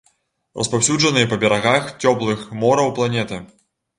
Распаўсюджаныя па берагах цёплых мораў планеты.